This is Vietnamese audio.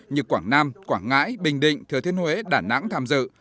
như quảng nam quảng ngãi bình định thừa thiên huế đà nẵng tham dự